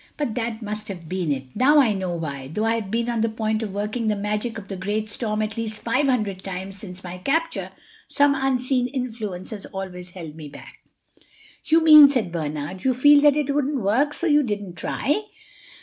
But that must have been it. Now I know why, though I have been on the point of working the magic of the Great Storm at least five hundred times since my capture, some unseen influence has always held me back." "You mean," said Bernard, "you feel that it wouldn't work, so you didn't try."